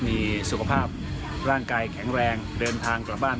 มีสุขภาพร่างกายแข็งแรงเดินทางกลับบ้าน